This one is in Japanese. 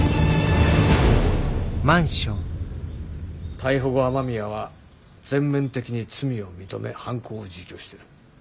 逮捕後雨宮は全面的に罪を認め犯行も自供してる。